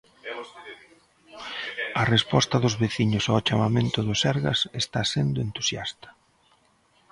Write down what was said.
A resposta dos veciños ao chamamento do Sergas está sendo entusiasta.